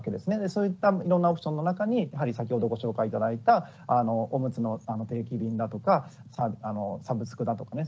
そういったいろんなオプションの中にやはり先ほどご紹介頂いたおむつの定期便だとかサブスクだとかね